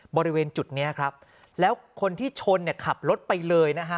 บริเวณจุดนี้ครับแล้วคนที่ชนเนี่ยขับรถไปเลยนะฮะ